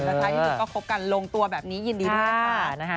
แต่ท้ายที่สุดก็คบกันลงตัวแบบนี้ยินดีด้วยนะคะ